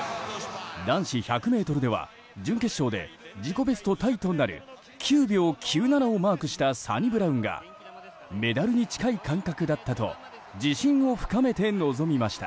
男子１００ｍでは準決勝で自己ベストタイとなる９秒９７をマークしたサニブラウンがメダルに近い感覚だったと自信を深めて臨みました。